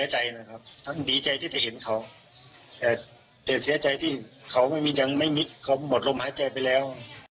หมดลมหาใจไปแล้ว